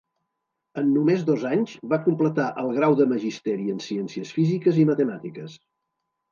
En només dos anys va completar el grau de Magisteri en ciències físiques i matemàtiques.